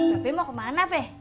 bapak mau kemana peh